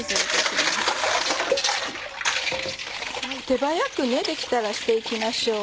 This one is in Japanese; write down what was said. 手早くできたらして行きましょう。